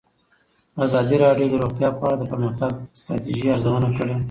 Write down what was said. ازادي راډیو د روغتیا په اړه د پرمختګ لپاره د ستراتیژۍ ارزونه کړې.